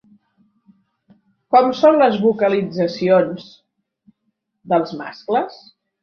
Com són les vocalitzacions dels mascles?